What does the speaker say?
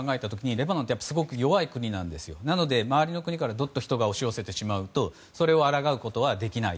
レバノンって弱い国でなので、周りの国からどっと人が押し寄せてしまうとそれをあらがうことはできない。